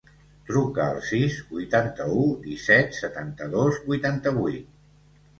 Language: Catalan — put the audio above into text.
Truca al sis, vuitanta-u, disset, setanta-dos, vuitanta-vuit.